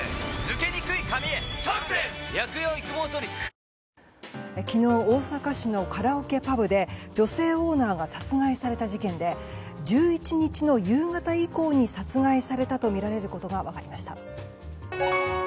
ＪＴ昨日大阪市のカラオケパブで女性オーナーが殺害された事件で１１日の夕方以降に殺害されたとみられることが分かりました。